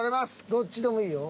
どっちでもいいよ。